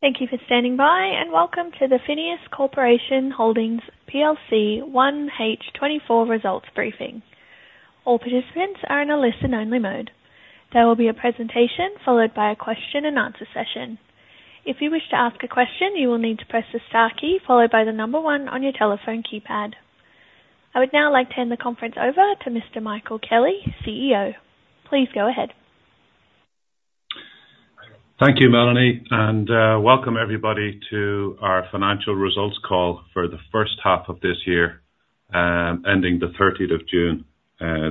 Thank you for standing by, and welcome to the FINEOS Corporation Holdings plc 1H 2024 results briefing. All participants are in a listen-only mode. There will be a presentation, followed by a question-and-answer session. If you wish to ask a question, you will need to press the star key followed by the number one on your telephone keypad. I would now like to hand the conference over to Mr. Michael Kelly, CEO. Please go ahead. Thank you, Melanie, and welcome everybody to our financial results call for the first half of this year, ending the thirteenth of June,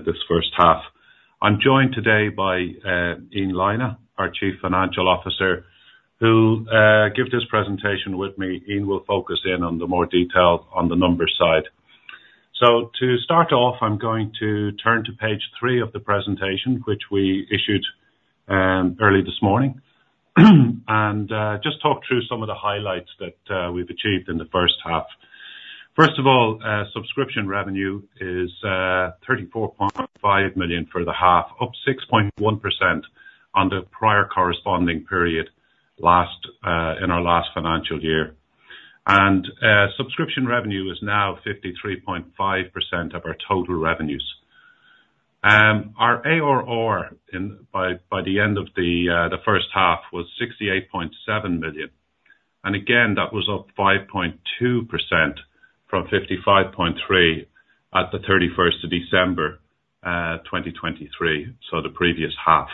this first half. I'm joined today by Ian Lynes, our Chief Financial Officer, who give this presentation with me. Ian will focus in on the more detail on the numbers side. So to start off, I'm going to turn to page three of the presentation, which we issued early this morning, and just talk through some of the highlights that we've achieved in the first half. First of all, subscription revenue is 34.5 million for the half, up 6.1% on the prior corresponding period, last in our last financial year, and subscription revenue is now 53.5% of our total revenues. Our ARR by the end of the first half was 68.7 million, and again, that was up 5.2% from 55.3 at the 31st of December 2023, so the previous half.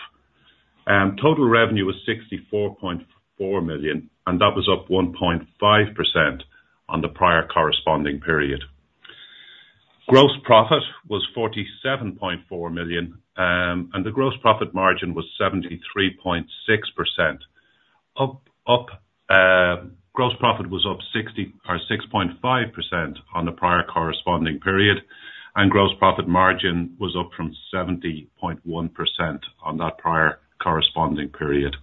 Total revenue was 64.4 million, and that was up 1.5% on the prior corresponding period. Gross profit was 47.4 million, and the gross profit margin was 73.6%. Gross profit was up 6.5% on the prior corresponding period, and gross profit margin was up from 70.1% on that prior corresponding period.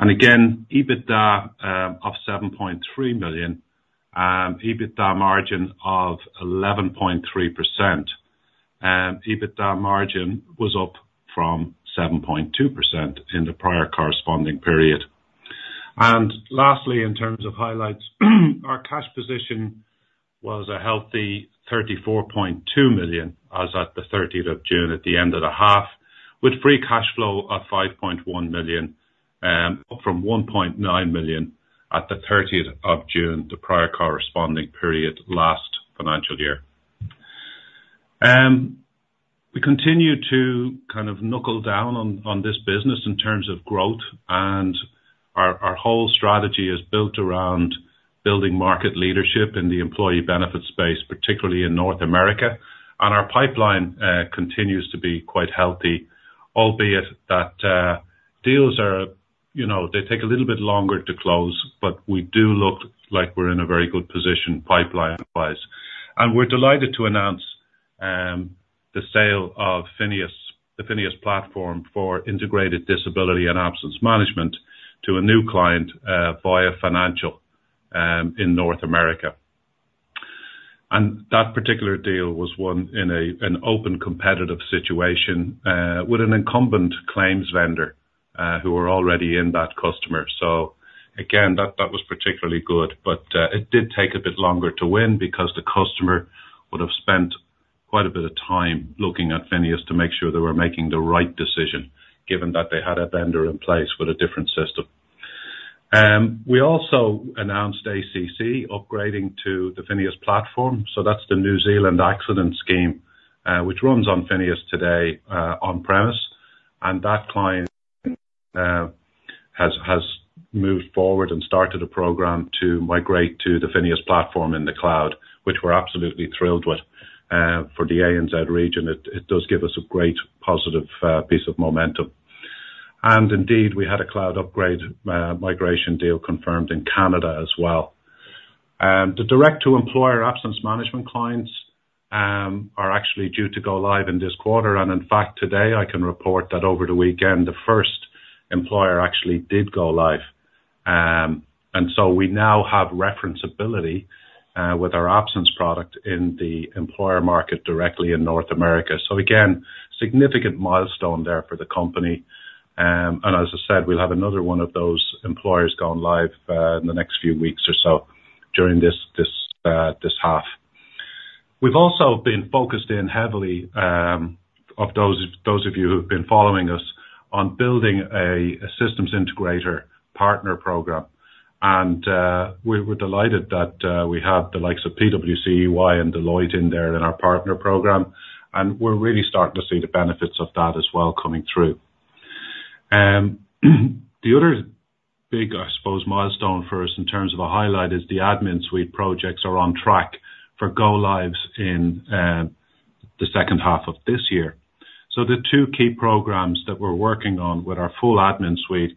EBITDA up 7.3 million, EBITDA margin of 11.3%, EBITDA margin was up from 7.2% in the prior corresponding period. And lastly, in terms of highlights, our cash position was a healthy €34.2 million, as at the thirteenth of June at the end of the half, with free cash flow of €5.1 million, up from €1.9 million at the thirteenth of June, the prior corresponding period, last financial year. We continue to kind of knuckle down on this business in terms of growth, and our whole strategy is built around building market leadership in the employee benefit space, particularly in North America. And our pipeline continues to be quite healthy, albeit that deals are, you know, they take a little bit longer to close, but we do look like we're in a very good position pipeline-wise. We're delighted to announce the sale of FINEOS, the FINEOS platform for integrated disability and absence management to a new client, Voya Financial, in North America. That particular deal was won in an open competitive situation with an incumbent claims vendor who were already in that customer. So again, that was particularly good, but it did take a bit longer to win because the customer would have spent quite a bit of time looking at FINEOS to make sure they were making the right decision, given that they had a vendor in place with a different system. We also announced ACC upgrading to the FINEOS platform. That's the New Zealand Accident Scheme, which runs on FINEOS today, on-premise, and that client has moved forward and started a program to migrate to the FINEOS Platform in the cloud, which we're absolutely thrilled with, for the ANZ region. It does give us a great positive piece of momentum. And indeed, we had a cloud upgrade migration deal confirmed in Canada as well. The direct-to-employer absence management clients are actually due to go live in this quarter. And in fact, today, I can report that over the weekend, the first employer actually did go live. And so we now have referenceability with our absence product in the employer market directly in North America. Again, significant milestone there for the company. And as I said, we'll have another one of those employers going live in the next few weeks or so during this half. We've also been focused in heavily, of those of you who have been following us, on building a systems integrator partner program. And we're delighted that we have the likes of PwC, EY, and Deloitte in our partner program, and we're really starting to see the benefits of that as well coming through. The other big, I suppose, milestone for us in terms of a highlight is the Admin Suite projects are on track for go lives in the second half of this year. The two key programs that we're working on with our full admin suite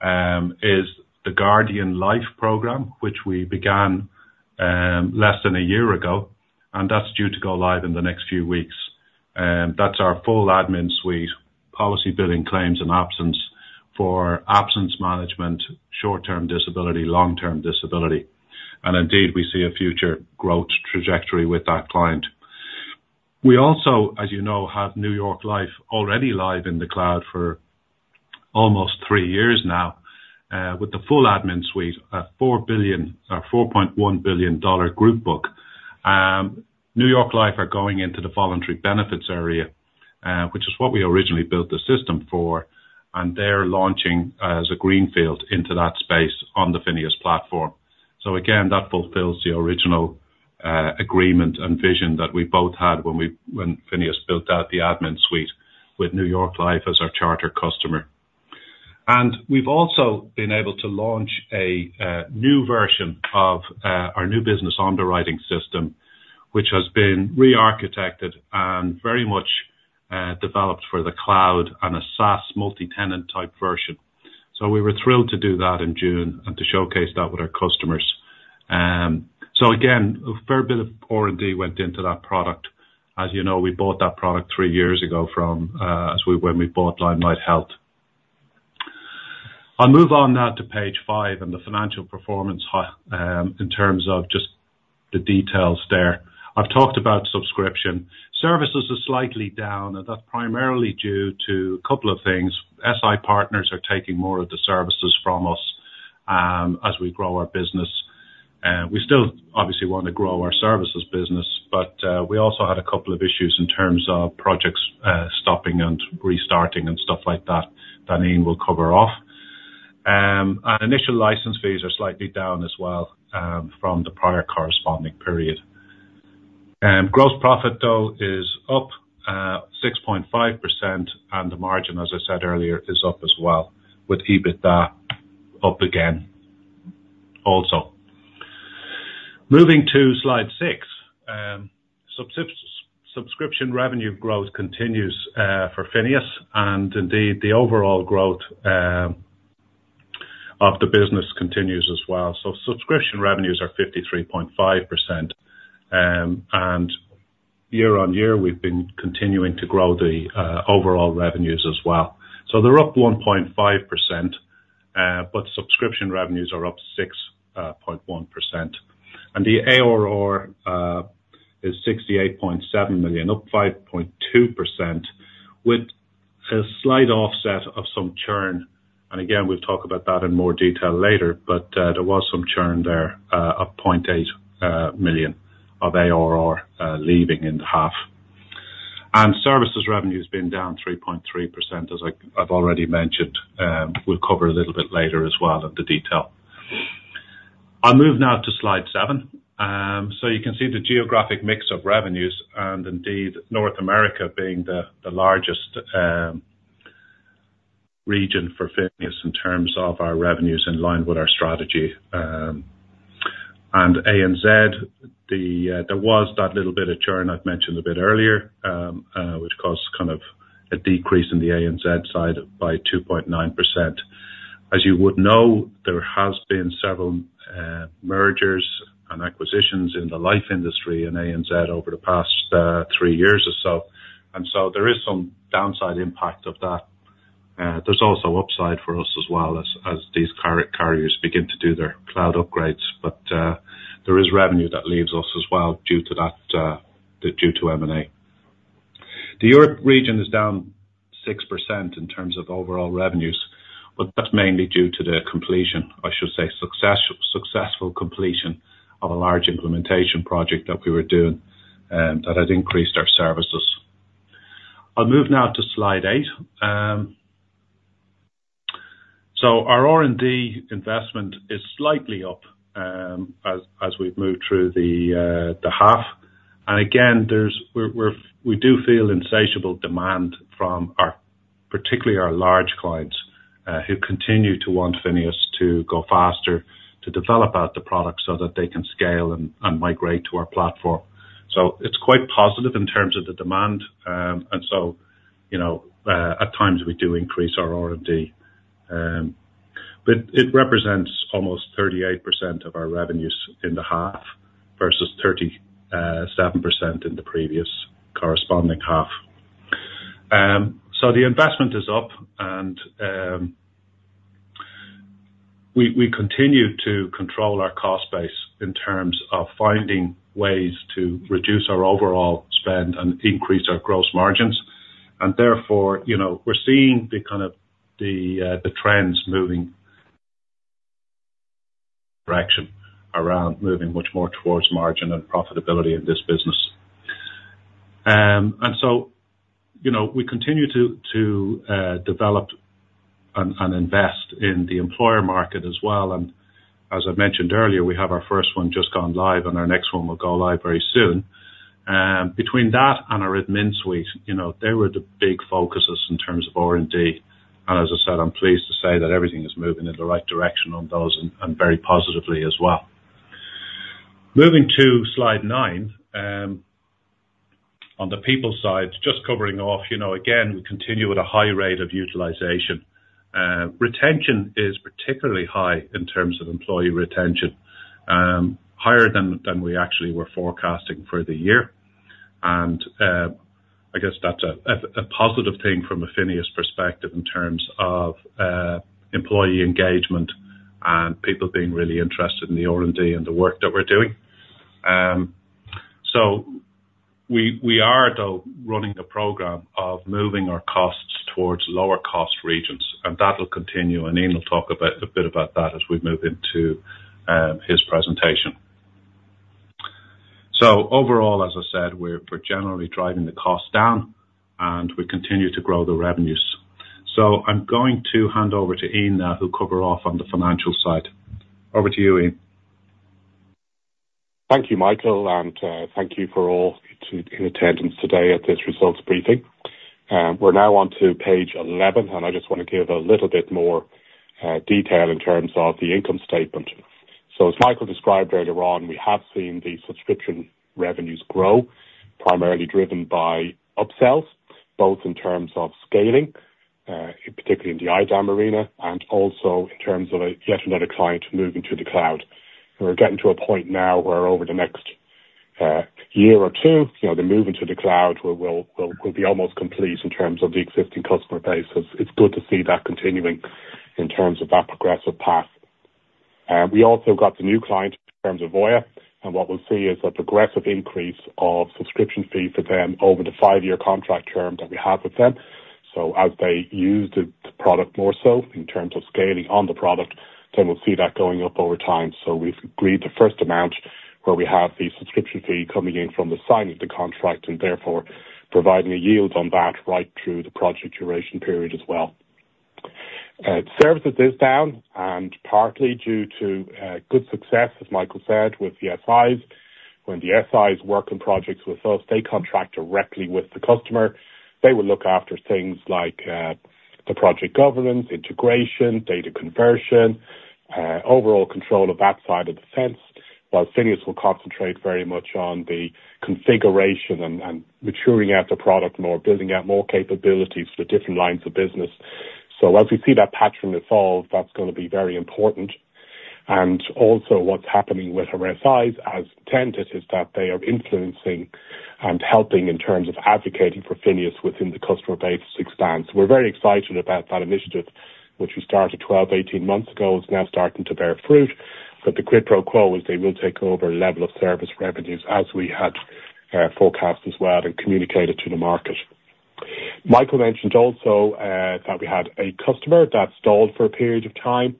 is the Guardian Life program, which we began less than a year ago, and that's due to go live in the next few weeks. That's our full admin suite, policy, billing, claims, and absence for absence management, short-term disability, long-term disability. And indeed, we see a future growth trajectory with that client. We also, as you know, have New York Life already live in the cloud for almost three years now with the full admin suite, a $4.1 billion dollar group book. New York Life are going into the voluntary benefits area, which is what we originally built the system for, and they're launching as a greenfield into that space on the FINEOS platform. So again, that fulfills the original agreement and vision that we both had when we, when FINEOS built out the AdminSuite with New York Life as our charter customer. And we've also been able to launch a new version of our new business underwriting system, which has been rearchitected and very much developed for the cloud and a SaaS multi-tenant type version. So we were thrilled to do that in June and to showcase that with our customers. So again, a fair bit of R&D went into that product. As you know, we bought that product three years ago from when we bought Limelight Health. I'll move on now to page five and the financial performance in terms of just the details there. I've talked about subscription services, which are slightly down, and that's primarily due to a couple of things. SI partners are taking more of the services from us, as we grow our business. We still obviously want to grow our services business, but, we also had a couple of issues in terms of projects, stopping and restarting and stuff like that, that Ian will cover off, and initial license fees are slightly down as well, from the prior corresponding period. Gross profit, though, is up 6.5%, and the margin, as I said earlier, is up as well, with EBITDA up again also. Moving to slide six, subscription revenue growth continues for FINEOS, and indeed, the overall growth of the business continues as well. So subscription revenues are 53.5%, and year-on-year, we've been continuing to grow the overall revenues as well. So they're up 1.5%, but subscription revenues are up 6.1%. And the ARR is €68.7 million, up 5.2%, with a slight offset of some churn. And again, we'll talk about that in more detail later, but there was some churn there of €0.8 million of ARR leaving in half. And services revenue has been down 3.3%, as I've already mentioned. We'll cover a little bit later as well in the detail. I'll move now to slide 7. So you can see the geographic mix of revenues, and indeed, North America being the largest region for FINEOS in terms of our revenues in line with our strategy. And ANZ, the, there was that little bit of churn I'd mentioned a bit earlier, which caused kind of a decrease in the ANZ side by 2.9%. As you would know, there has been several mergers and acquisitions in the life industry in ANZ over the past three years or so, and so there is some downside impact of that. There's also upside for us as well as, as these carriers begin to do their cloud upgrades, but, there is revenue that leaves us as well due to that, due to M&A. The Europe region is down 6% in terms of overall revenues, but that's mainly due to the completion, I should say, successful completion of a large implementation project that we were doing, that has increased our services. I'll move now to slide eight, so our R&D investment is slightly up, as we've moved through the half, and again, we do feel insatiable demand from our, particularly our large clients, who continue to want FINEOS to go faster, to develop out the product so that they can scale and migrate to our platform, so it's quite positive in terms of the demand, and so, you know, at times we do increase our R&D, but it represents almost 38% of our revenues in the half versus 37% in the previous corresponding half, so the investment is up, and we continue to control our cost base in terms of finding ways to reduce our overall spend and increase our gross margins. And therefore, you know, we're seeing the kind of the, the trends moving direction around, moving much more towards margin and profitability in this business. And so, you know, we continue to develop and invest in the employer market as well. And as I mentioned earlier, we have our first one just gone live, and our next one will go live very soon. Between that and our AdminSuite, you know, they were the big focuses in terms of R&D. And as I said, I'm pleased to say that everything is moving in the right direction on those and very positively as well. Moving to slide nine, on the people side, just covering off, you know, again, we continue with a high rate of utilization. Retention is particularly high in terms of employee retention, higher than we actually were forecasting for the year. I guess that's a positive thing from a FINEOS perspective in terms of employee engagement and people being really interested in the R&D and the work that we're doing. So we are though running a program of moving our costs towards lower cost regions, and that'll continue. Ian will talk a bit about that as we move into his presentation. So overall, as I said, we're generally driving the costs down, and we continue to grow the revenues. So I'm going to hand over to Ian now, who'll cover off on the financial side. Over to you, Ian. Thank you, Michael, and thank you for all in attendance today at this results briefing. We're now on to page eleven, and I just want to give a little bit more detail in terms of the income statement. So as Michael described earlier on, we have seen the subscription revenues grow, primarily driven by upsells, both in terms of scaling, particularly in the IDAM arena, and also in terms of yet another client moving to the cloud. We're getting to a point now where over the next year or two, you know, the movement to the cloud will be almost complete in terms of the existing customer base. It's good to see that continuing in terms of that progressive path. We also got the new client in terms of Voya, and what we'll see is a progressive increase of subscription fee for them over the five-year contract term that we have with them. So as they use the product more so in terms of scaling on the product, then we'll see that going up over time. So we've agreed the first amount where we have the subscription fee coming in from the signing of the contract and therefore providing a yield on that right through the project duration period as well. Services is down and partly due to good success, as Michael said, with the SIs. When the SIs work on projects with us, they contract directly with the customer. They will look after things like the project governance, integration, data conversion, overall control of that side of the fence, while FINEOS will concentrate very much on the configuration and maturing out the product more, building out more capabilities for different lines of business. So as we see that pattern evolve, that's gonna be very important. And also what's happening with our SIs, as intended, is that they are influencing and helping in terms of advocating for FINEOS within the customer base expansion. We're very excited about that initiative, which we started twelve, eighteen months ago. It's now starting to bear fruit, but the quid pro quo is they will take over level of service revenues as we had forecast as well and communicate it to the market. Michael mentioned also that we had a customer that stalled for a period of time.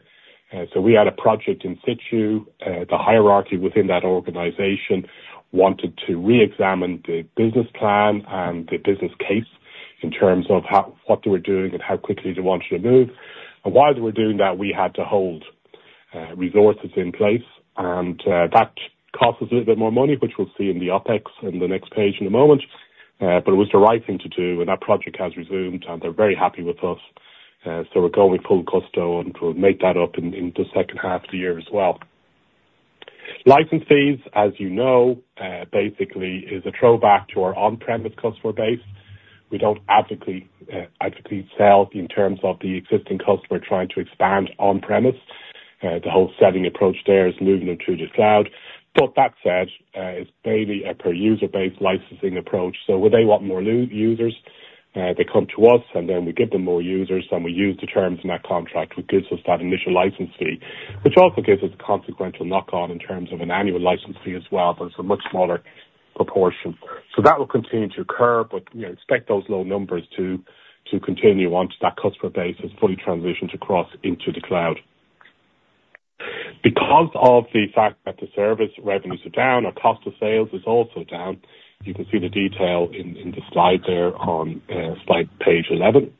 So we had a project in situ. The hierarchy within that organization wanted to reexamine the business plan and the business case in terms of how what they were doing and how quickly they wanted to move. And while they were doing that, we had to hold resources in place, and that cost us a little bit more money, which we'll see in the OpEx in the next page in a moment. But it was the right thing to do, and that project has resumed, and they're very happy with us. So we're going full steam, and we'll make that up in the second half of the year as well. License fees, as you know, basically is a throwback to our on-premise customer base. We don't actively sell in terms of the existing customer trying to expand on-premise. The whole selling approach there is moving them to the cloud. But that said, it's mainly a per user-based licensing approach, so when they want more new users, they come to us, and then we give them more users, and we use the terms in that contract, which gives us that initial license fee. Which also gives us a consequential knock-on in terms of an annual license fee as well, but it's a much smaller proportion. So that will continue to occur, but, you know, expect those low numbers to continue once that customer base is fully transitioned across into the cloud. Because of the fact that the service revenues are down, our cost of sales is also down. You can see the detail in the slide there on slide page 11.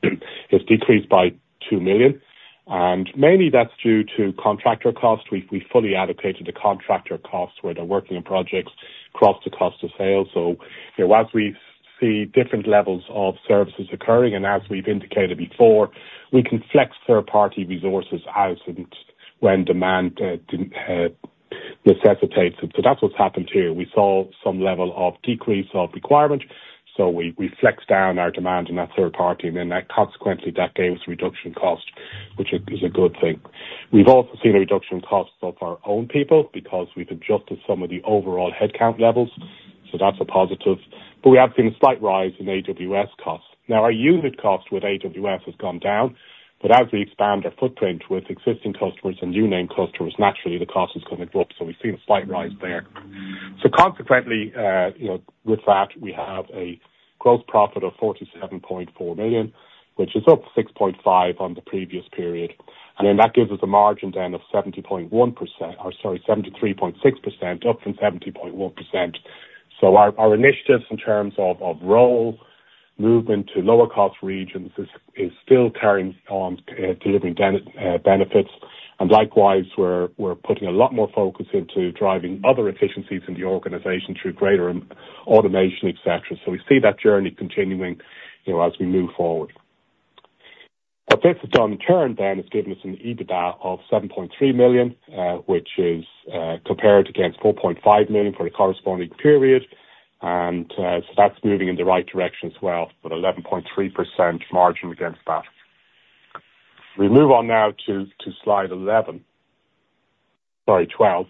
It's decreased by two million, and mainly that's due to contractor costs. We've fully allocated the contractor costs where they're working on projects across the cost of sales. So, you know, once we see different levels of services occurring, and as we've indicated before, we can flex third-party resources out and when demand necessitates it. So that's what's happened here. We saw some level of decrease of requirement, so we flexed down our demand in that third party, and then that consequently gave us a reduction in cost, which is a good thing. We've also seen a reduction in costs of our own people because we've adjusted some of the overall headcount levels, so that's a positive. But we have seen a slight rise in AWS costs. Now, our unit cost with AWS has gone down, but as we expand our footprint with existing customers and new name customers, naturally the cost is gonna drop, so we've seen a slight rise there. So consequently, you know, with that, we have a gross profit of €47.4 million, which is up €6.5 million on the previous period, and then that gives us a margin then of 70.1%... or sorry, 73.6%, up from 70.1%. So our initiatives in terms of role movement to lower cost regions is still carrying on, delivering benefits, and likewise, we're putting a lot more focus into driving other efficiencies in the organization through greater automation, et cetera. So we see that journey continuing, you know, as we move forward. But this, in turn, then, has given us an EBITDA of 7.3 million, which is compared against 4.5 million for the corresponding period. So that's moving in the right direction as well, with 11.3% margin against that. We move on now to slide 11... sorry, 12,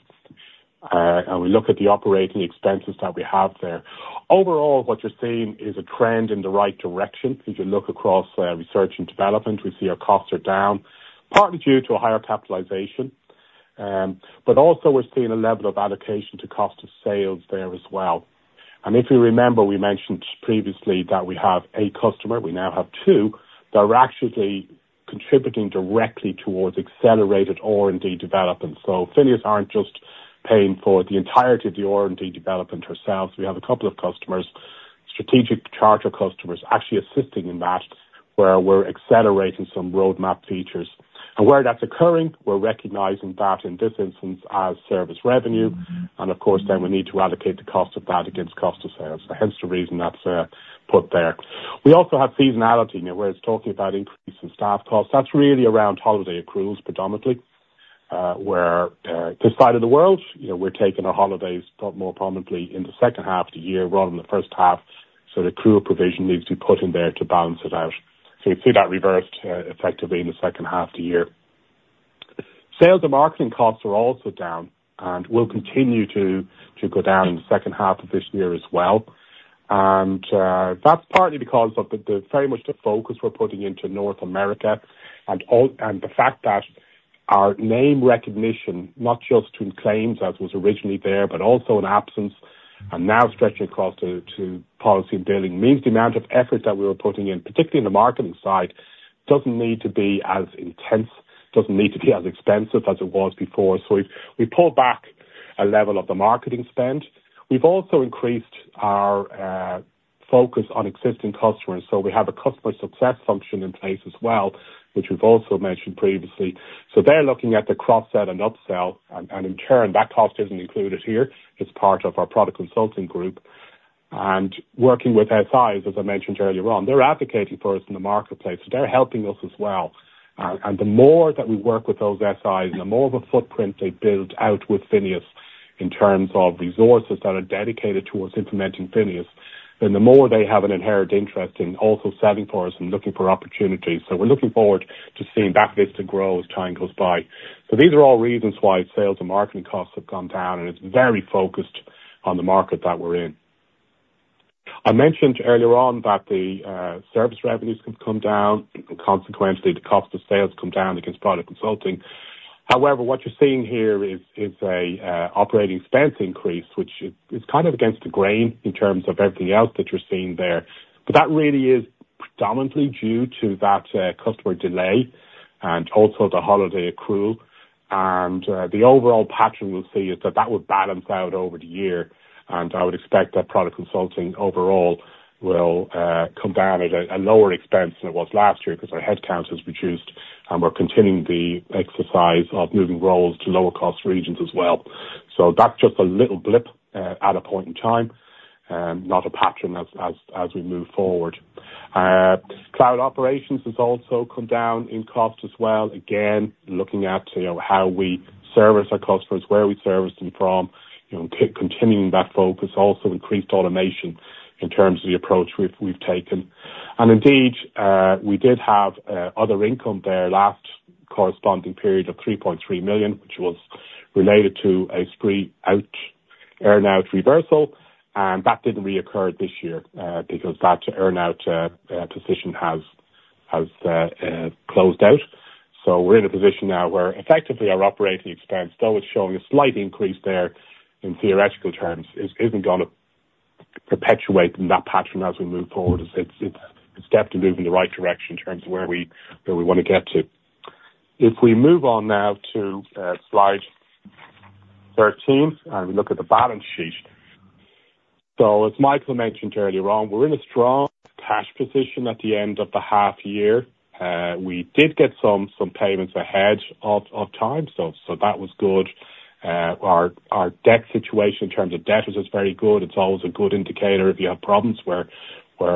and we look at the operating expenses that we have there. Overall, what you're seeing is a trend in the right direction. As you look across research and development, we see our costs are down, partly due to a higher capitalization. But also we're seeing a level of allocation to cost of sales there as well. And if you remember, we mentioned previously that we have a customer, we now have two, that are actually contributing directly towards accelerated R&D development. FINEOS aren't just paying for the entirety of the R&D development ourselves. We have a couple of customers, strategic charter customers, actually assisting in that, where we're accelerating some roadmap features. And where that's occurring, we're recognizing that, in this instance, as service revenue, and of course, then we need to allocate the cost of that against cost of sales. Hence the reason that's put there. We also have seasonality, you know, where it's talking about increase in staff costs. That's really around holiday accruals predominantly, where this side of the world, you know, we're taking our holidays a lot more prominently in the second half of the year rather than the first half, so the accrual provision needs to be put in there to balance it out. So you'll see that reversed, effectively in the second half of the year. Sales and marketing costs are also down, and will continue to go down in the second half of this year as well. And that's partly because of the very much the focus we're putting into North America and the fact that our name recognition, not just in claims as was originally there, but also in absence, and now stretching across to policy and billing, means the amount of effort that we are putting in, particularly in the marketing side, doesn't need to be as intense, doesn't need to be as expensive as it was before. So we've pulled back a level of the marketing spend. We've also increased our focus on existing customers, so we have a customer success function in place as well, which we've also mentioned previously. So they're looking at the cross-sell and up-sell, and, and in turn, that cost isn't included here. It's part of our product consulting group. And working with SIs, as I mentioned earlier on, they're advocating for us in the marketplace, so they're helping us as well. And the more that we work with those SIs, and the more of a footprint they build out with FINEOS in terms of resources that are dedicated towards implementing FINEOS, then the more they have an inherent interest in also selling for us and looking for opportunities. So we're looking forward to seeing that list grow as time goes by. So these are all reasons why sales and marketing costs have gone down, and it's very focused on the market that we're in. I mentioned earlier on that the service revenues have come down, and consequently, the cost of sales come down against product consulting. However, what you're seeing here is a operating expense increase, which is kind of against the grain in terms of everything else that you're seeing there. But that really is predominantly due to that customer delay and also the holiday accrual. And the overall pattern we'll see is that that would balance out over the year, and I would expect that product consulting overall will come down at a lower expense than it was last year, because our headcount has reduced, and we're continuing the exercise of moving roles to lower cost regions as well. So that's just a little blip at a point in time, not a pattern as we move forward. Cloud operations has also come down in cost as well. Again, looking at, you know, how we service our customers, where we service them from, you know, continuing that focus, also increased automation in terms of the approach we've taken. And indeed, we did have other income there, last corresponding period of €3.3 million, which was related to an earn-out reversal, and that didn't reoccur this year, because that earn-out position has closed out. So we're in a position now where effectively our operating expense, though it's showing a slight increase there in theoretical terms, isn't gonna perpetuate in that pattern as we move forward. It's definitely moving in the right direction in terms of where we want to get to. If we move on now to slide 13, and we look at the balance sheet. So as Michael mentioned earlier on, we're in a strong cash position at the end of the half year. We did get some payments ahead of time, so that was good. Our debt situation in terms of debtors is very good. It's always a good indicator if you have problems where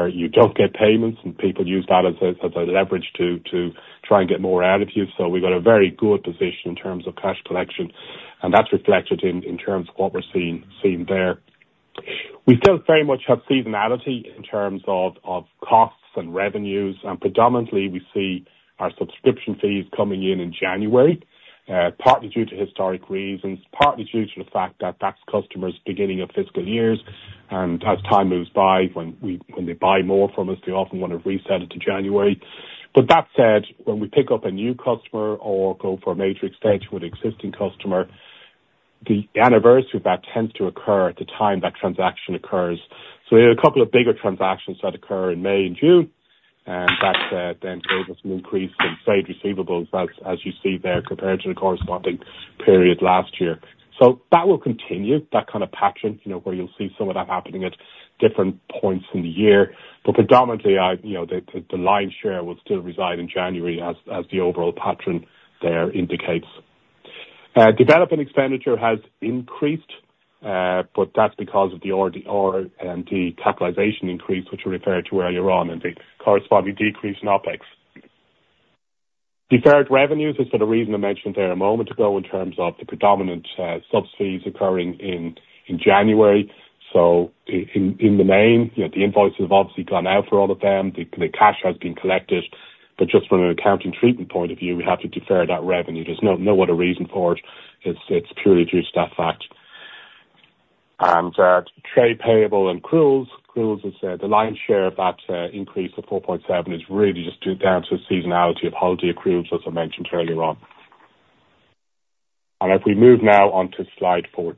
you don't get payments, and people use that as a leverage to try and get more out of you. So we've got a very good position in terms of cash collection, and that's reflected in terms of what we're seeing there. We still very much have seasonality in terms of, of costs and revenues, and predominantly we see our subscription fees coming in in January, partly due to historic reasons, partly due to the fact that that's customers' beginning of fiscal years. And as time moves by, when they buy more from us, they often want to reset it to January. But that said, when we pick up a new customer or go for a major extension with an existing customer, the anniversary of that tends to occur at the time that transaction occurs. So we had a couple of bigger transactions that occur in May and June, and that then gave us an increase in trade receivables, as you see there, compared to the corresponding period last year. That will continue, that kind of pattern, you know, where you'll see some of that happening at different points in the year. But predominantly, you know, the lion's share will still reside in January as the overall pattern there indicates. Development expenditure has increased, but that's because of the R&D capitalization increase, which we referred to earlier on, and the corresponding decrease in OpEx. Deferred revenues is for the reason I mentioned there a moment ago, in terms of the predominant subs fees occurring in January. So in the main, you know, the invoices have obviously gone out for all of them. The cash has been collected. But just from an accounting treatment point of view, we have to defer that revenue. There's no other reason for it. It's purely due to that fact. Trade payables and accruals. Accruals is the lion's share of that increase of 4.7, which is really just due to the seasonality of holiday accruals, as I mentioned earlier. If we move now on to slide 14,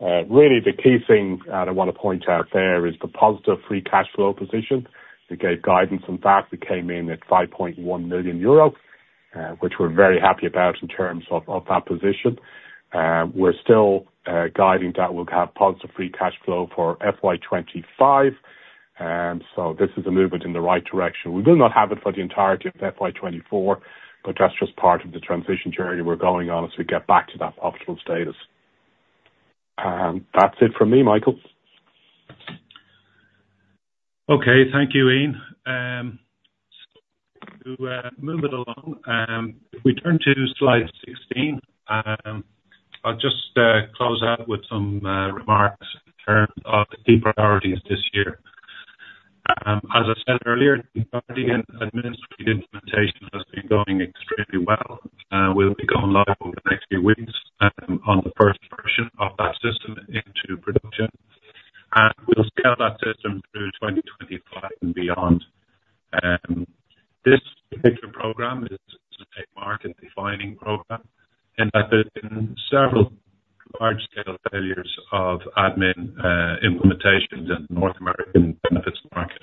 really the key thing that I want to point out there is the positive free cash flow position. We gave guidance. In fact, we came in at 5.1 million euro, which we're very happy about in terms of that position. We're still guiding that we'll have positive free cash flow for FY 2025. So this is a movement in the right direction. We will not have it for the entirety of FY 2024, but that's just part of the transition journey we're going on as we get back to that optimal status. That's it for me, Michael. Okay. Thank you, Ian, so to move it along, if we turn to slide sixteen, I'll just close out with some remarks in terms of the key priorities this year. As I said earlier, the Guardian administrative implementation has been going extremely well. We'll be going live over the next few weeks, on the first version of that system into production, and we'll scale that system through 2025 and beyond. This particular program is a market-defining program, and there's been several large-scale failures of admin implementations in North American benefits market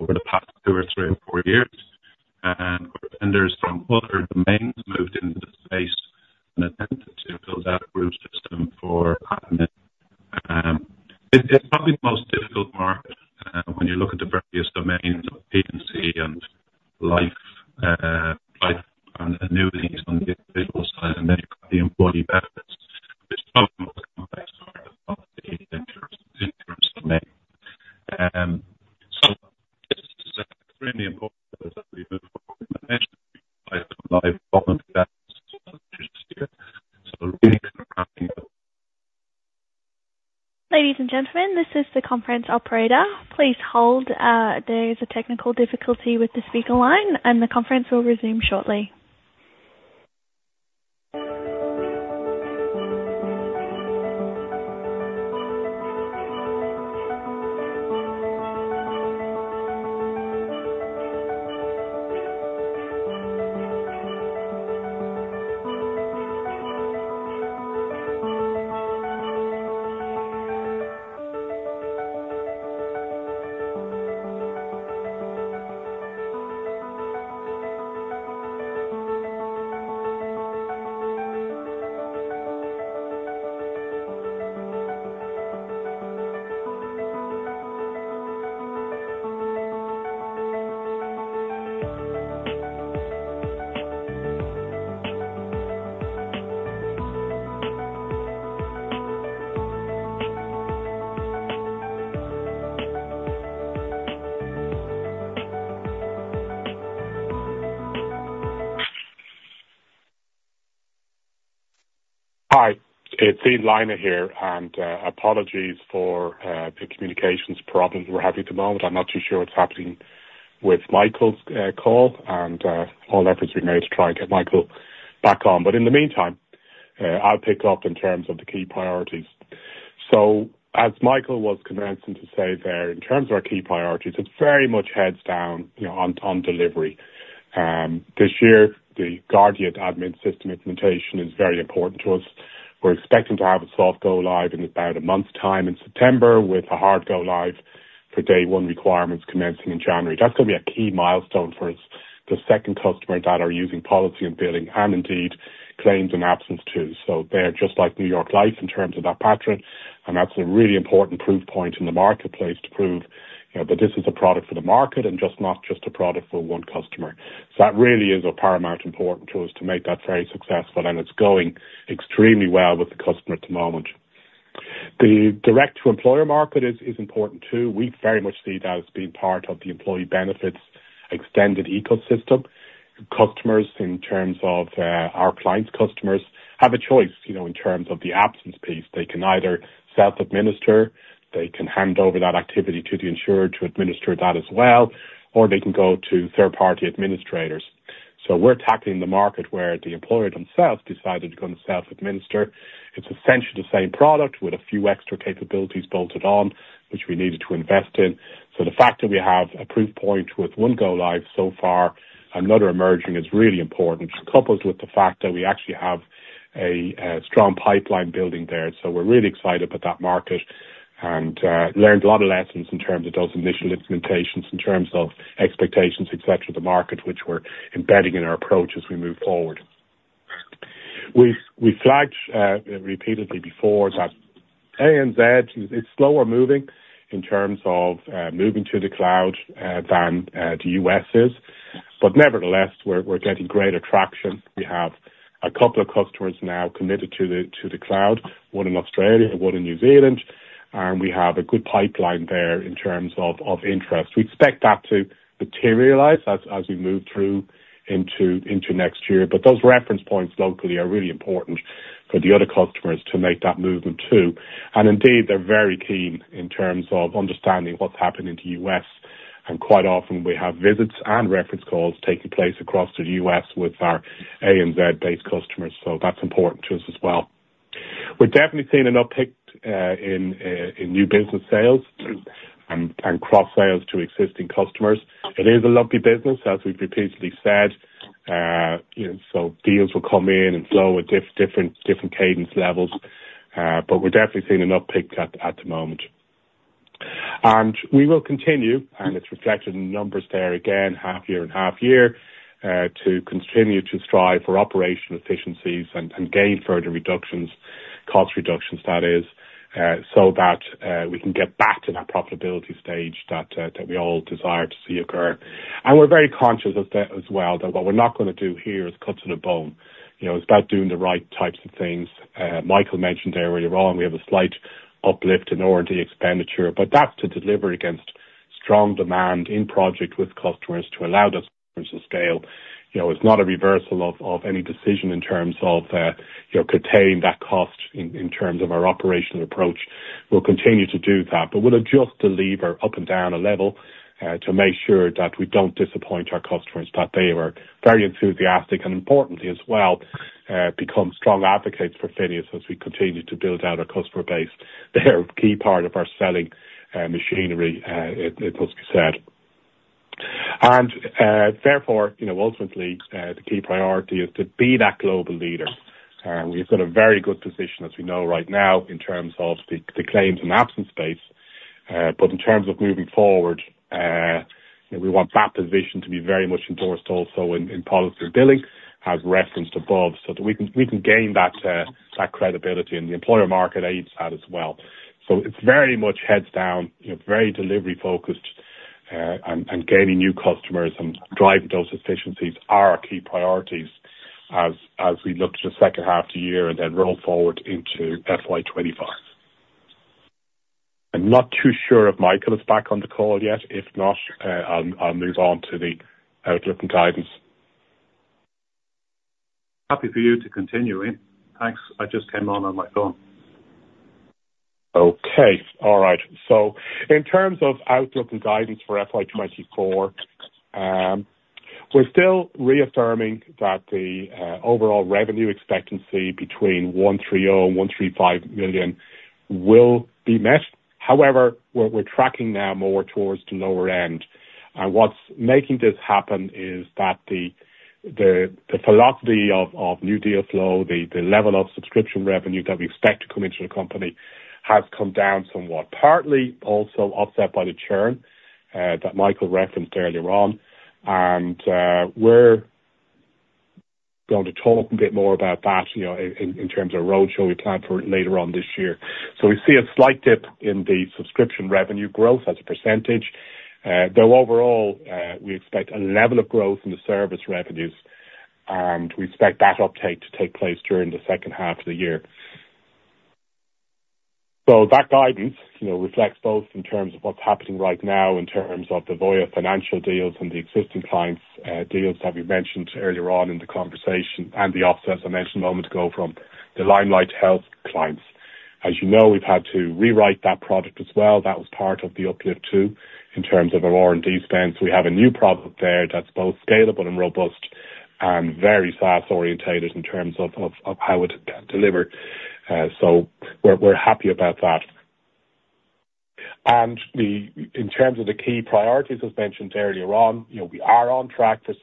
over the past two or three or four years, and vendors from other domains moved into the space and attempted to build out a group system for admin. It's probably the most difficult market when you look at the various domains of P&C and life, life and annuities on the individual side, and then you've got the employee benefits. It's probably the most complex in terms of the insurance domain. So this is extremely important as we move forward. Ladies and gentlemen, this is the conference operator. Please hold. There is a technical difficulty with the speaker line, and the conference will resume shortly. Hi, it's Ian Lynes here, and apologies for the communications problems we're having at the moment. I'm not too sure what's happening with Michael's call, and all efforts we made to try and get Michael back on. But in the meantime, I'll pick up in terms of the key priorities. So as Michael was commencing to say there, in terms of our key priorities, it's very much heads down, you know, on delivery. This year, the Guardian admin system implementation is very important to us. We're expecting to have a soft go live in about a month's time in September, with a hard go live for day one requirements commencing in January. That's going to be a key milestone for us, the second customer that are using policy and billing, and indeed claims and absence too. So they're just like New York Life in terms of that pattern, and that's a really important proof point in the marketplace to prove, you know, that this is a product for the market and not just a product for one customer. So that really is of paramount importance to us to make that very successful, and it's going extremely well with the customer at the moment. The direct-to-employer market is important, too. We very much see that as being part of the employee benefits extended ecosystem. Customers, in terms of our clients' customers, have a choice, you know, in terms of the absence piece. They can either self-administer, they can hand over that activity to the insurer to administer that as well, or they can go to third-party administrators. So we're tackling the market where the employer themselves decided to go and self-administer. It's essentially the same product with a few extra capabilities bolted on, which we needed to invest in. So the fact that we have a proof point with one go live so far, another emerging, is really important. Coupled with the fact that we actually have a strong pipeline building there. So we're really excited about that market and learned a lot of lessons in terms of those initial implementations, in terms of expectations, et cetera, the market, which we're embedding in our approach as we move forward. We've flagged repeatedly before that ANZ is slower moving in terms of moving to the cloud than the U.S. is. But nevertheless, we're getting greater traction. We have a couple of customers now committed to the cloud, one in Australia, one in New Zealand, and we have a good pipeline there in terms of interest. We expect that to materialize as we move through into next year, but those reference points locally are really important for the other customers to make that movement, too. And indeed, they're very keen in terms of understanding what's happening in the U.S., and quite often we have visits and reference calls taking place across the U.S. with our ANZ-based customers, so that's important to us as well. We're definitely seeing an uptick in new business sales and cross sales to existing customers. It is a lumpy business, as we've repeatedly said. You know, so deals will come in and flow at different cadence levels, but we're definitely seeing an uptick at the moment. We will continue, and it's reflected in the numbers there, again, half year and half year, to continue to strive for operational efficiencies and gain further reductions, cost reductions that is, so that we can get back to that profitability stage that we all desire to see occur. We're very conscious of that as well, that what we're not gonna do here is cut to the bone. You know, it's about doing the right types of things. Michael mentioned earlier on, we have a slight uplift in R&D expenditure, but that's to deliver against strong demand in project with customers to allow us to scale. You know, it's not a reversal of any decision in terms of, you know, containing that cost in terms of our operational approach. We'll continue to do that, but we'll adjust the lever up and down a level to make sure that we don't disappoint our customers, that they are very enthusiastic, and importantly as well, become strong advocates for FINEOS as we continue to build out our customer base. They are a key part of our selling machinery, it must be said. Therefore, you know, ultimately, the key priority is to be that global leader. We've got a very good position, as we know right now, in terms of the claims and absence space, but in terms of moving forward, you know, we want that position to be very much endorsed also in policy and billing, as referenced above, so that we can gain that credibility, and the employer market aids that as well. So it's very much heads down, you know, very delivery focused, and gaining new customers and driving those efficiencies are our key priorities as we look to the second half of the year and then roll forward into FY 2025. I'm not too sure if Michael is back on the call yet. If not, I'll move on to the outlook and guidance. Happy for you to continue, Ian. Thanks. I just came on, on my phone. Okay. All right. So in terms of outlook and guidance for FY 2024, we're still reaffirming that the overall revenue expectancy between €130-135 million will be met. However, we're tracking now more towards the lower end, and what's making this happen is that the velocity of new deal flow, the level of subscription revenue that we expect to come into the company has come down somewhat. Partly also offset by the churn that Michael referenced earlier on. And we're going to talk a bit more about that, you know, in terms of roadshow we plan for later on this year. So we see a slight dip in the subscription revenue growth as a percentage. Though overall, we expect a level of growth in the service revenues, and we expect that uptake to take place during the second half of the year. So that guidance, you know, reflects both in terms of what's happening right now, in terms of the Voya Financial deals and the existing clients, deals that we mentioned earlier on in the conversation, and the offsets I mentioned a moment ago from the Limelight Health clients. As you know, we've had to rewrite that product as well. That was part of the uplift, too, in terms of our R&D spend. So we have a new product there that's both scalable and robust and very SaaS-orientated in terms of how it delivered. So we're happy about that. And the... In terms of the key priorities, as mentioned earlier on, you know, we are on track to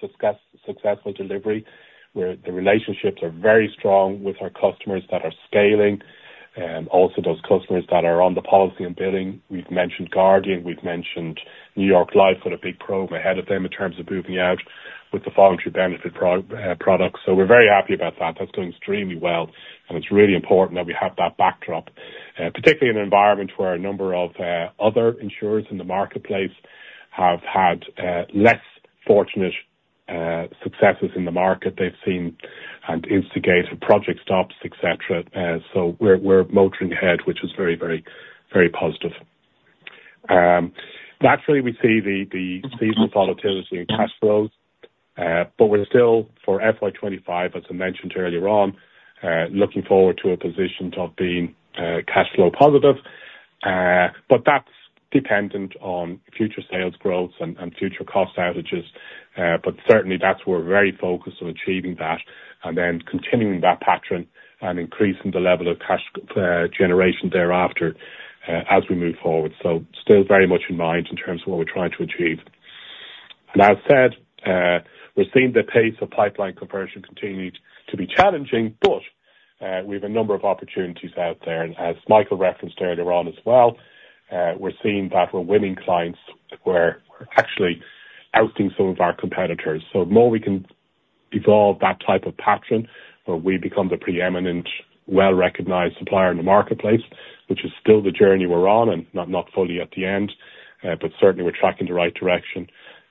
successful delivery, where the relationships are very strong with our customers that are scaling, also those customers that are on the policy and billing. We've mentioned Guardian, we've mentioned New York Life, with a big program ahead of them in terms of moving out with the voluntary benefit product. So we're very happy about that. That's going extremely well, and it's really important that we have that backdrop, particularly in an environment where a number of other insurers in the marketplace have had less fortunate successes in the market. They've seen and instigated project stops, et cetera. So we're motoring ahead, which is very, very, very positive. Naturally, we see the seasonal volatility in cash flows, but we're still, for FY 2025, as I mentioned earlier on, looking forward to a position of being cash flow positive. But that's dependent on future sales growth and future cost outlays. But certainly that's where we're very focused on achieving that and then continuing that pattern and increasing the level of cash generation thereafter, as we move forward. So still very much in mind in terms of what we're trying to achieve. And as I said, we're seeing the pace of pipeline conversion continued to be challenging, but we have a number of opportunities out there. And as Michael referenced earlier on as well, we're seeing that we're winning clients, where we're actually outdoing some of our competitors. So the more we can evolve that type of pattern, where we become the preeminent, well-recognized supplier in the marketplace, which is still the journey we're on, and not fully at the end, but certainly we're tracking the right direction,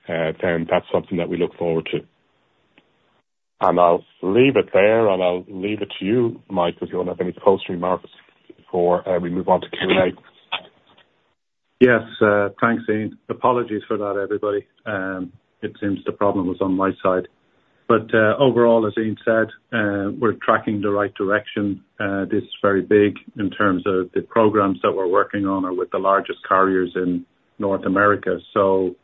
then that's something that we look forward to. And I'll leave it there, and I'll leave it to you, Michael, if you want to have any closing remarks before we move on to Q&A.... Yes, thanks, Ian. Apologies for that, everybody. It seems the problem was on my side. But, overall, as Ian said, we're tracking the right direction. This is very big in terms of the programs that we're working on are with the largest carriers in North America. So,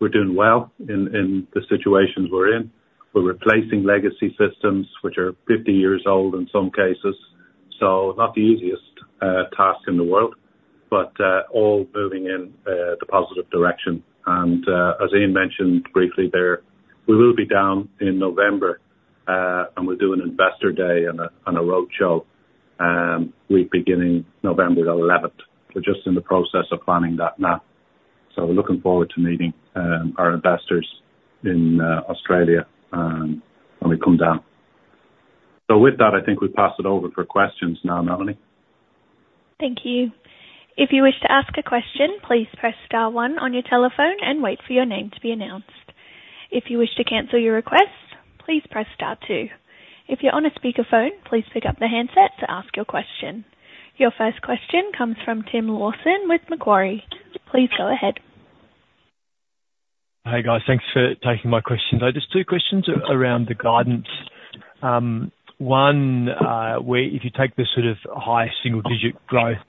we're doing well in the situations we're in. We're replacing legacy systems which are fifty years old in some cases, so not the easiest task in the world, but all moving in the positive direction. And, as Ian mentioned briefly there, we will be down in November, and we'll do an investor day and a roadshow, week beginning November the eleventh. We're just in the process of planning that now. So we're looking forward to meeting our investors in Australia, when we come down. So with that, I think we pass it over for questions now, Melanie. Thank you. If you wish to ask a question, please press star one on your telephone and wait for your name to be announced. If you wish to cancel your request, please press star two. If you're on a speakerphone, please pick up the handset to ask your question. Your first question comes from Tim Lawson with Macquarie. Please go ahead. Hey, guys. Thanks for taking my questions. So just two questions around the guidance. One, where if you take the sort of high single digit growth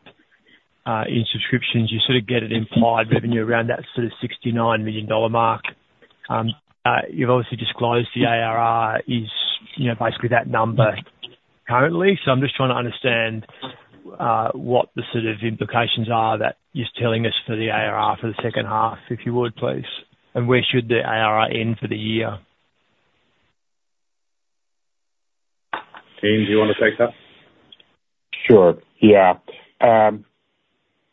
in subscriptions, you sort of get an implied revenue around that sort of $69 million mark. You've obviously disclosed the ARR is, you know, basically that number currently. So I'm just trying to understand what the sort of implications are that you're telling us for the ARR for the second half, if you would, please. And where should the ARR end for the year? Ian, do you want to take that? Sure, yeah.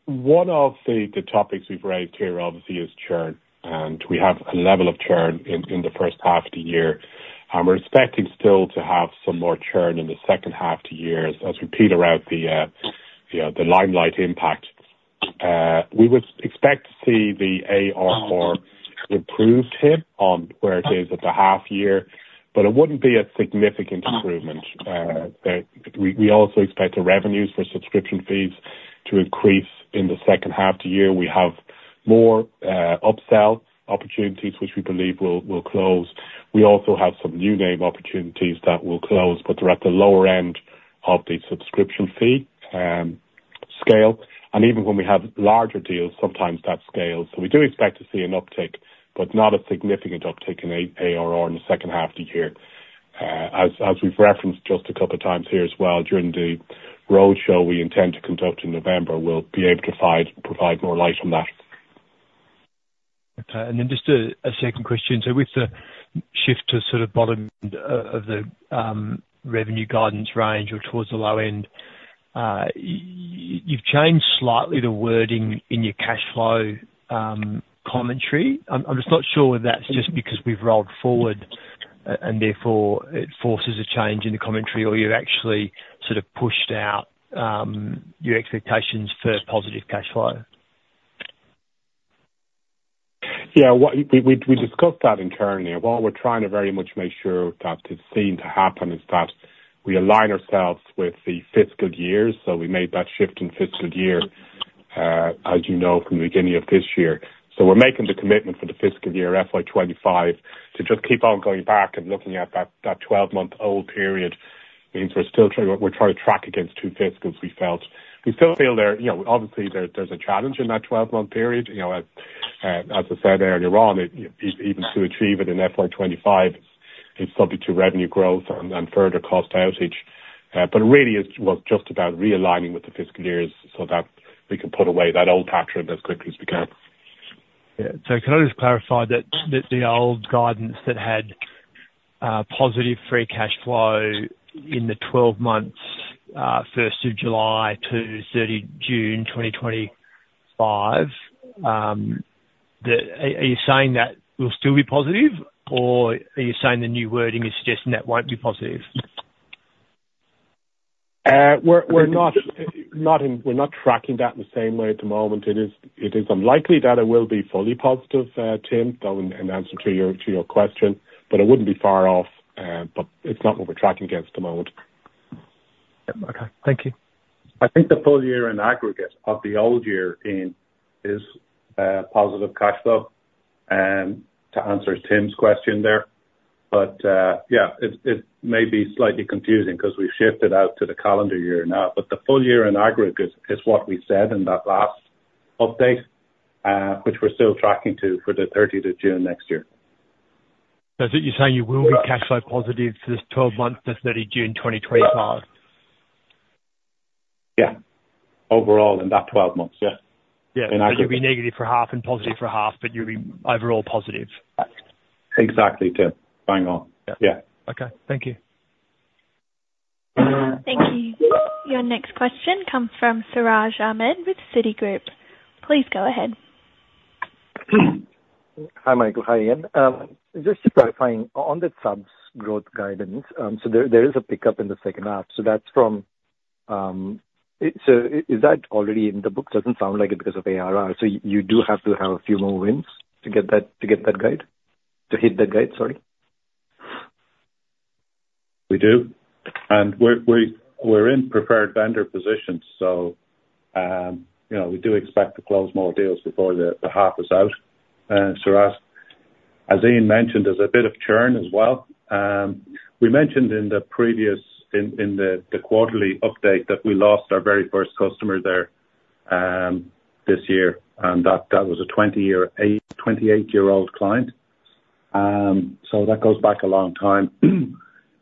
One of the topics we've raised here obviously is churn, and we have a level of churn in the first half of the year, and we're expecting still to have some more churn in the second half of the year as we peter out the Limelight impact. We would expect to see the ARR improved here on where it is at the half year, but it wouldn't be a significant improvement. But we also expect the revenues for subscription fees to increase in the second half of the year. We have more upsell opportunities, which we believe will close. We also have some new name opportunities that will close, but they're at the lower end of the subscription fee scale. And even when we have larger deals, sometimes that scales. So we do expect to see an uptick, but not a significant uptick in ARR in the second half of the year. As we've referenced just a couple of times here as well, during the roadshow we intend to conduct in November, we'll be able to provide more light on that. Okay. And then just a second question. So with the shift to sort of bottom of the revenue guidance range or towards the low end, you've changed slightly the wording in your cash flow commentary. I'm just not sure whether that's just because we've rolled forward and therefore it forces a change in the commentary, or you've actually sort of pushed out your expectations for positive cash flow. Yeah, what we discussed that internally. What we're trying to very much make sure that is seen to happen is that we align ourselves with the fiscal years, so we made that shift in fiscal year, as you know, from the beginning of this year. So we're making the commitment for the fiscal year, FY 2025, to just keep on going back and looking at that 12-month old period means we're still trying to track against two fiscals we felt. We still feel there, you know, obviously there, there's a challenge in that 12-month period. You know, as I said earlier on, even to achieve it in FY 2025, it's subject to revenue growth and further cost outage. But really it was just about realigning with the fiscal years so that we can put away that old pattern as quickly as we can. Yeah. So can I just clarify that the old guidance that had positive free cash flow in the twelve months first of July to 30 June 2025, are you saying that will still be positive, or are you saying the new wording is suggesting that won't be positive? We're not tracking that in the same way at the moment. It is unlikely that it will be fully positive, Tim, though, in answer to your question, but it wouldn't be far off, but it's not what we're tracking at the moment. Okay. Thank you. I think the full year in aggregate of the old year, Ian, is positive cash flow to answer Tim's question there. But yeah, it may be slightly confusing because we've shifted out to the calendar year now, but the full year in aggregate is what we said in that last update, which we're still tracking to for the thirteenth of June next year. So you're saying you will be cash flow positive for this 12 months to 30 June 2025? Yeah. Overall, in that 12 months, yeah. Yeah. In aggregate. So you'll be negative for half and positive for half, but you'll be overall positive. Exactly, Tim. Bang on. Yeah. Yeah. Okay. Thank you. Thank you. Your next question comes from Siraj Ahmed with Citigroup. Please go ahead. Hi, Michael. Hi, Ian. Just clarifying on the subs growth guidance, so there is a pickup in the second half. So that's from. So is that already in the books? Doesn't sound like it because of ARR. So you do have to have a few more wins to get that, to get that guide, to hit that guide? Sorry.... We do, and we're in preferred vendor position, so, you know, we do expect to close more deals before the half is out. So as Ian mentioned, there's a bit of churn as well. We mentioned in the previous quarterly update that we lost our very first customer there this year, and that was a 2o-year, a 28-year-old client. So that goes back a long time.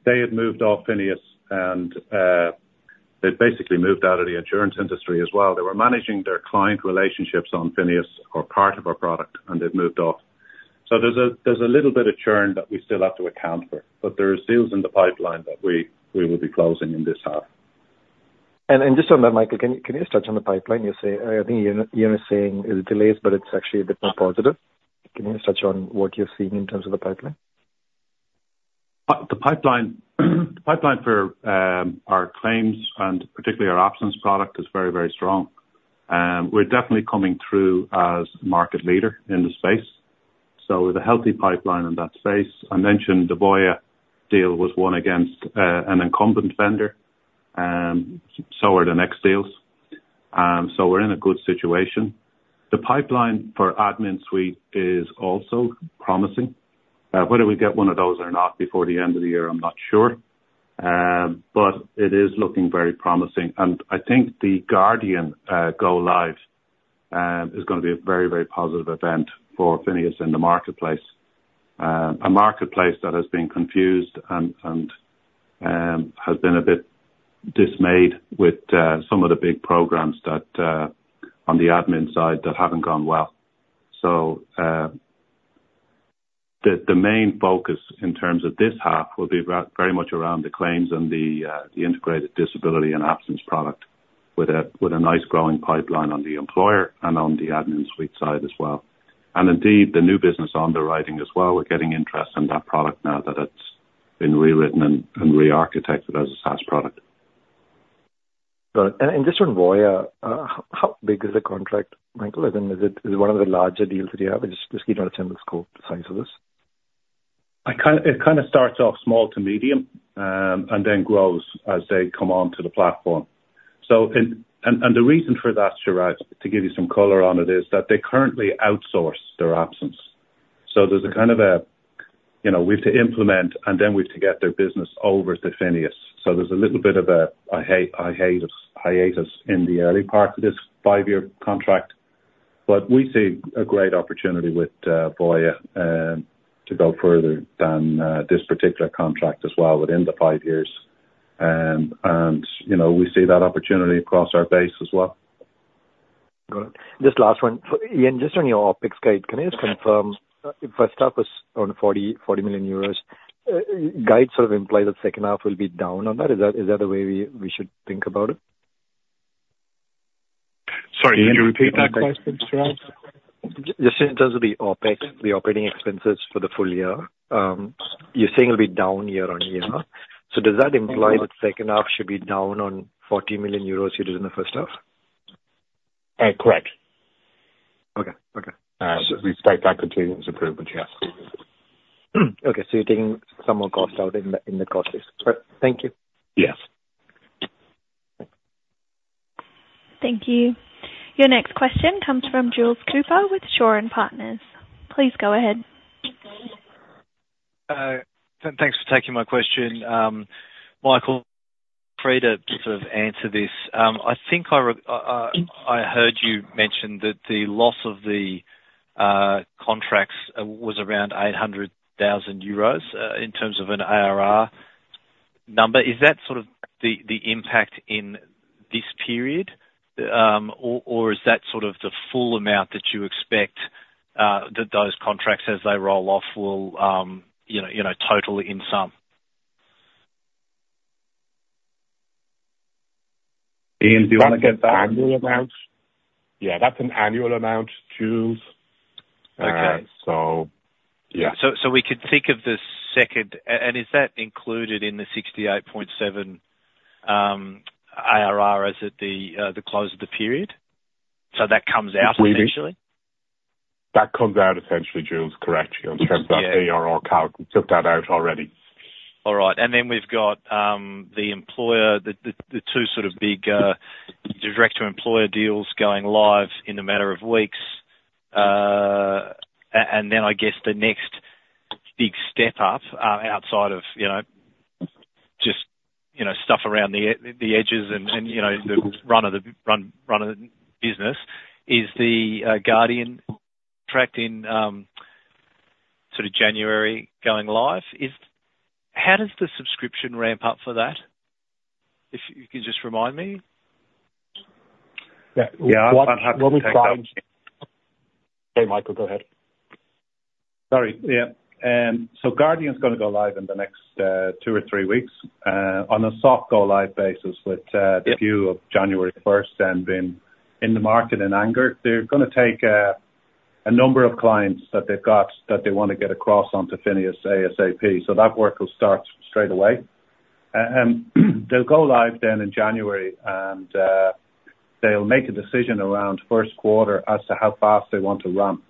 They had moved off FINEOS and they'd basically moved out of the insurance industry as well. They were managing their client relationships on FINEOS or part of our product, and they've moved off. So there's a little bit of churn that we still have to account for, but there is deals in the pipeline that we will be closing in this half. Just on that, Michael, can you just touch on the pipeline? You say, I think Ian is saying it delays, but it's actually a bit more positive. Can you touch on what you're seeing in terms of the pipeline? The pipeline for our claims and particularly our absence product is very, very strong. We're definitely coming through as market leader in the space. So with a healthy pipeline in that space, I mentioned the Voya deal was won against an incumbent vendor, so are the next deals. So we're in a good situation. The pipeline for AdminSuite is also promising. Whether we get one of those or not before the end of the year, I'm not sure. But it is looking very promising, and I think the Guardian go live is gonna be a very, very positive event for FINEOS in the marketplace. A marketplace that has been confused and has been a bit dismayed with some of the big programs that on the admin side that haven't gone well. The main focus in terms of this half will be very much around the claims and the integrated disability and absence product, with a nice growing pipeline on the employer and on the AdminSuite side as well. Indeed, the new business underwriting as well, we're getting interest in that product now that it's been rewritten and rearchitected as a SaaS product. Good. And just on Voya, how big is the contract, Michael? I mean, is it, is one of the larger deals that you have? Just give an attempt, the scope, the size of this. I kind of... It kind of starts off small to medium, and then grows as they come onto the platform. So, and the reason for that, Siraj, to give you some color on it, is that they currently outsource their absence. So there's a kind of a, you know, we've to implement, and then we've to get their business over to FINEOS. So there's a little bit of a hiatus in the early part of this five-year contract, but we see a great opportunity with Voya to go further than this particular contract as well within the five years. And, you know, we see that opportunity across our base as well. Good. Just last one. Ian, just on your OpEx guide, can you just confirm if first half was on 40 million euros, guide sort of implies that second half will be down on that. Is that the way we should think about it? Sorry, can you repeat that question, Siraj? Just in terms of the OpEx, the operating expenses for the full year, you're saying it'll be down year on year. So does that imply that second half should be down on 40 million euros you did in the first half? Uh, correct. Okay. Okay. We've stayed back continuous improvement, yes. Okay, so you're taking some more costs out in the cost base. Correct. Thank you. Yes. Thank you. Your next question comes from Jules Cooper with Shaw and Partners. Please go ahead. Thanks for taking my question. Michael, feel free to sort of answer this. I think I heard you mention that the loss of the contracts was around 800,000 euros in terms of an ARR number. Is that sort of the impact in this period? Or is that sort of the full amount that you expect that those contracts, as they roll off, will you know total in sum? Ian, do you want to get the annual amounts? Yeah, that's an annual amount, Jules. Okay. So, yeah. So we could think of the second and is that included in the 68.7 ARR, as at the close of the period? So that comes out essentially? That comes out essentially, Jules, correct. Yeah. In terms of that ARR calc, we took that out already. All right. And then we've got the two sort of big direct-to-employer deals going live in a matter of weeks. And then I guess the next big step up outside of, you know, just, you know, stuff around the edges and, you know, the run of the business is the Guardian contract in sort of January going live. How does the subscription ramp up for that? If you can just remind me. Yeah. Yeah, I'm happy to take that. Hey, Michael, go ahead. Sorry. Yeah. So Guardian's gonna go live in the next two or three weeks on a soft go live basis, with- Yeah... the view of January first, and then in the market and anchor, they're gonna take a number of clients that they've got that they want to get across onto FINEOS ASAP. So that work will start straight away. And they'll go live then in January, and they'll make a decision around first quarter as to how fast they want to ramp.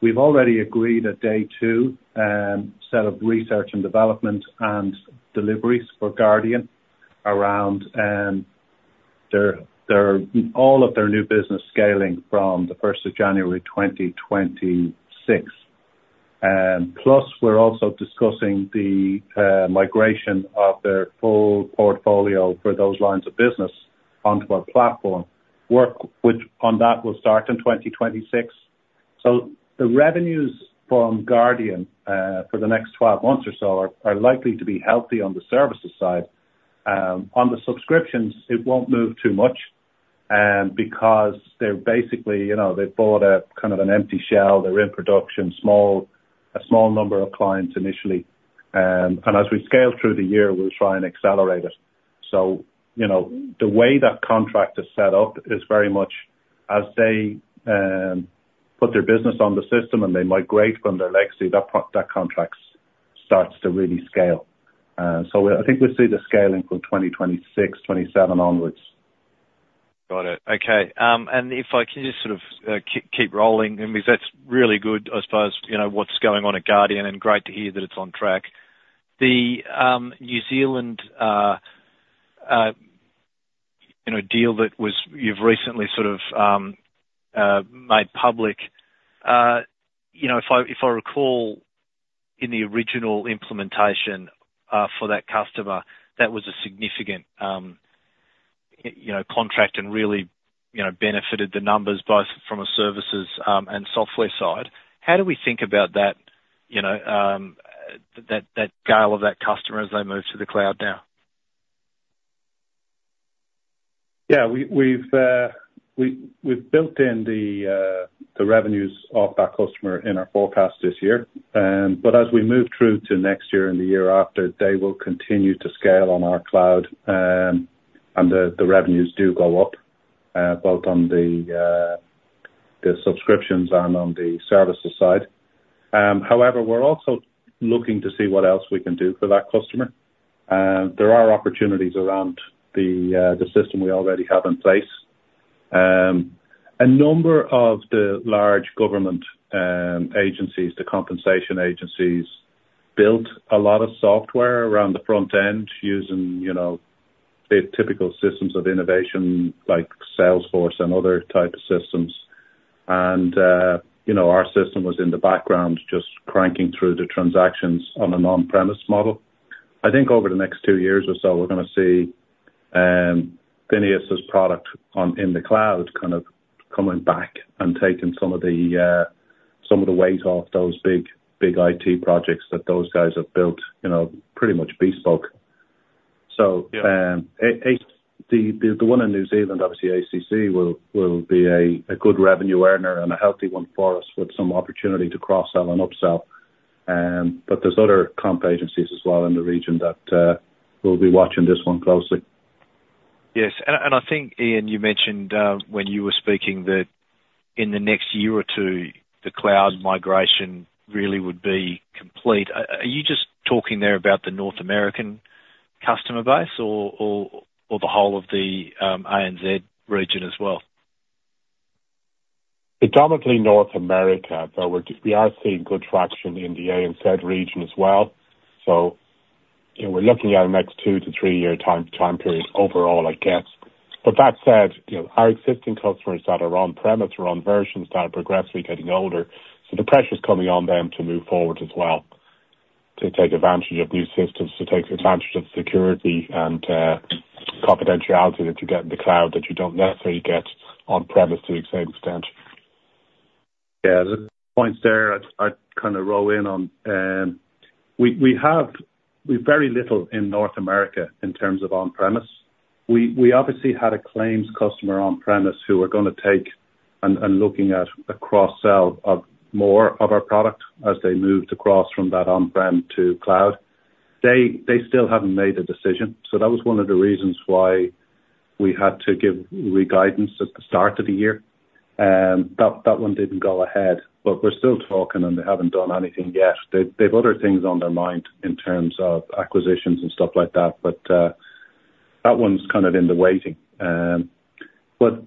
We've already agreed a day two set of research and development and deliveries for Guardian around their all of their new business scaling from the first of January 2026. Plus, we're also discussing the migration of their full portfolio for those lines of business onto our platform. Work on that will start in 2026. So the revenues from Guardian for the next 12 months or so are likely to be healthy on the services side. On the subscriptions, it won't move too much, because they're basically, you know, they've bought a kind of an empty shell. They're in production, a small number of clients initially, and as we scale through the year, we'll try and accelerate it, so you know, the way that contract is set up is very much as they put their business on the system and they migrate from their legacy, that contract starts to really scale, so I think we'll see the scaling from 2026, 2027 onwards. Got it. Okay, and if I can just sort of, keep rolling, I mean, because that's really good, I suppose, you know, what's going on at Guardian, and great to hear that it's on track. The, New Zealand, you know, deal that you've recently sort of, made public. You know, if I, if I recall, in the original implementation, for that customer, that was a significant, you know, contract and really, you know, benefited the numbers both from a services, and software side. How do we think about that, you know, that, that scale of that customer as they move to the cloud now? Yeah, we've built in the revenues of that customer in our forecast this year. But as we move through to next year and the year after, they will continue to scale on our cloud, and the revenues do go up, both on the subscriptions and on the services side. However, we're also looking to see what else we can do for that customer. There are opportunities around the system we already have in place. A number of the large government agencies, the compensation agencies, built a lot of software around the front end using, you know, the typical systems of innovation like Salesforce and other type of systems. And, you know, our system was in the background, just cranking through the transactions on an on-premise model. I think over the next two years or so, we're gonna see FINEOS' product in the cloud kind of coming back and taking some of the weight off those big, big IT projects that those guys have built, you know, pretty much bespoke. So- Yeah. The one in New Zealand, obviously, ACC, will be a good revenue earner and a healthy one for us, with some opportunity to cross-sell and upsell. But there's other comp agencies as well in the region that we'll be watching this one closely. Yes, and I think, Ian, you mentioned when you were speaking, that in the next year or two, the cloud migration really would be complete. Are you just talking there about the North American customer base or the whole of the ANZ region as well? Predominantly North America, but we are seeing good traction in the ANZ region as well. So, you know, we're looking at a next two to three-year time period overall, I guess. But that said, you know, our existing customers that are on-premise or on versions that are progressively getting older, so the pressure's coming on them to move forward as well, to take advantage of new systems, to take advantage of security and confidentiality that you get in the cloud, that you don't necessarily get on-premise to the same extent. Yeah, the points there, I'd kind of weigh in on. We have very little in North America in terms of on-premise. We obviously had a claims customer on-premise who we're gonna take and looking at a cross-sell of more of our product as they moved across from that on-prem to cloud. They still haven't made a decision, so that was one of the reasons why we had to give re-guidance at the start of the year. That one didn't go ahead, but we're still talking, and they haven't done anything yet. They've other things on their mind in terms of acquisitions and stuff like that, but that one's kind of in the waiting. But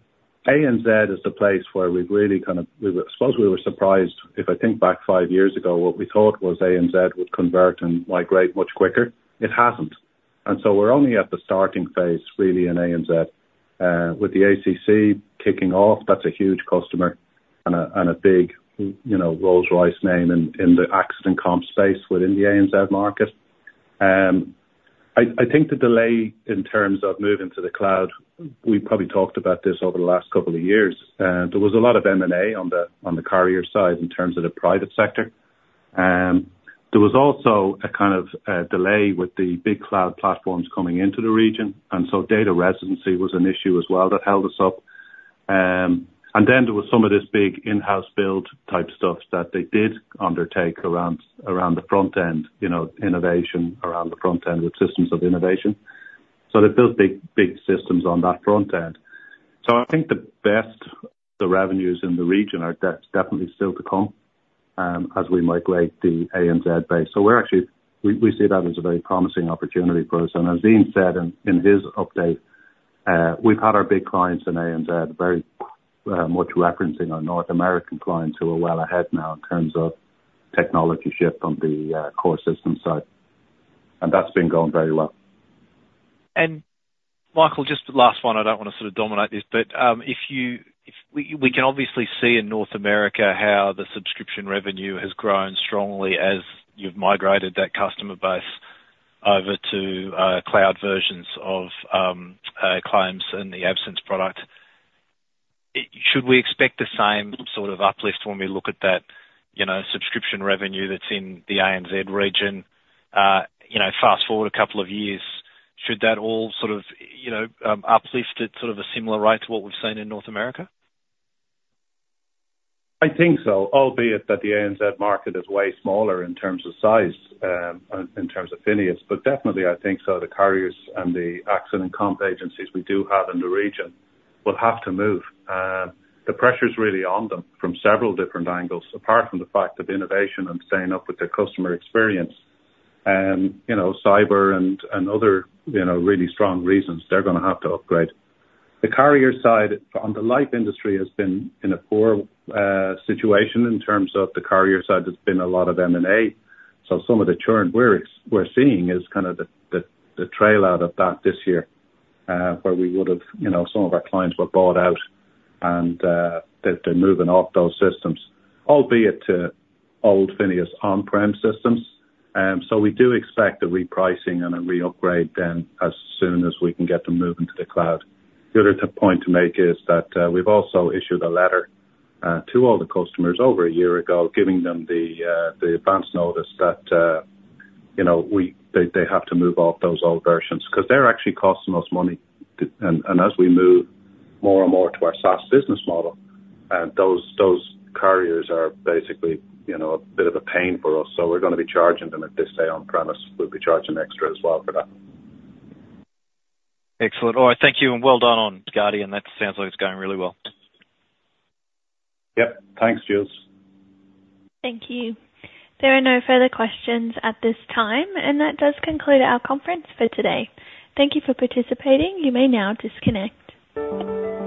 ANZ is the place where we've really kind of we, I suppose we were surprised if I think back five years ago, what we thought was ANZ would convert and migrate much quicker. It hasn't, and so we're only at the starting phase, really, in ANZ. With the ACC kicking off, that's a huge customer and a big, you know, Rolls-Royce name in the accident comp space within the ANZ market. I think the delay in terms of moving to the cloud, we probably talked about this over the last couple of years, there was a lot of M&A on the carrier side in terms of the private sector. There was also a kind of delay with the big cloud platforms coming into the region, and so data residency was an issue as well that held us up, and then there was some of this big in-house build type stuff that they did undertake around the front end, you know, innovation around the front end with systems of innovation, so they built big systems on that front end. So I think the best, the revenues in the region are definitely still to come, as we migrate the ANZ base, so we're actually we see that as a very promising opportunity for us, and as Ian said in his update, we've had our big clients in ANZ very much referencing our North American clients who are well ahead now in terms of technology shift on the core system side, and that's been going very well. Michael, just the last one, I don't wanna sort of dominate this, but, if we can obviously see in North America how the subscription revenue has grown strongly as you've migrated that customer base over to cloud versions of claims and the absence product. Should we expect the same sort of uplift when we look at that, you know, subscription revenue that's in the ANZ region? You know, fast-forward a couple of years, should that all sort of, you know, uplift at sort of a similar rate to what we've seen in North America? I think so, albeit that the ANZ market is way smaller in terms of size, in terms of FINEOS. But definitely I think so. The carriers and the accident comp agencies we do have in the region will have to move. The pressure's really on them from several different angles, apart from the fact of innovation and staying up with their customer experience, and you know, cyber and other, you know, really strong reasons, they're gonna have to upgrade. The carrier side on the life industry has been in a poor situation in terms of the carrier side. There's been a lot of M&A. So some of the churn we're seeing is kind of the trail out of that this year, where we would've... You know, some of our clients were bought out, and they're moving off those systems, albeit to old FINEOS on-prem systems. So we do expect a repricing and a re-upgrade then as soon as we can get them moving to the cloud. The other point to make is that we've also issued a letter to all the customers over a year ago, giving them the advance notice that you know, they have to move off those old versions, 'cause they're actually costing us money, and as we move more and more to our SaaS business model, those carriers are basically you know, a bit of a pain for us. So we're gonna be charging them if they stay on-premise. We'll be charging extra as well for that. Excellent. All right, thank you, and well done on Guardian. That sounds like it's going really well. Yep. Thanks, Jules. Thank you. There are no further questions at this time, and that does conclude our conference for today. Thank you for participating. You may now disconnect.